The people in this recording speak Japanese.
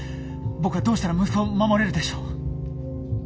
僕はどうしたら息子を守れるでしょう。